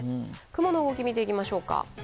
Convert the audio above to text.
雲の動きを見ていきましょうか。